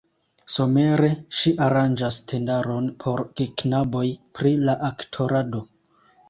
Somere ŝi aranĝas tendaron por geknaboj pri la aktorado.